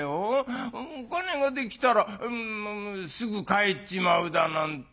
お金ができたらすぐ帰っちまうだなんて。